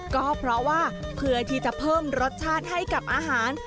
ก็เพราะว่าเพื่อที่จะเพิ่มรสชาติให้กับอาหาร